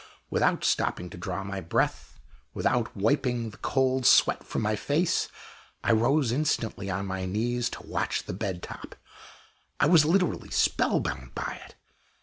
Without stopping to draw my breath, without wiping the cold sweat from my face, I rose instantly on my knees to watch the bed top. I was literally spellbound by it.